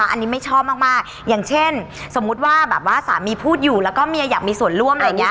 อันนี้ไม่ชอบมากอย่างเช่นสมมุติว่าแบบว่าสามีพูดอยู่แล้วก็เมียอยากมีส่วนร่วมอะไรอย่างนี้